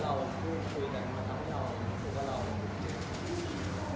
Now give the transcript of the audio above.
และเราคุยกันมาความรู้สึกว่าเรา